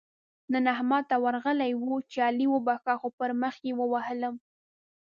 نن احمد ته ورغلی وو؛ چې علي وبښه - خو پر مخ يې ووهلم.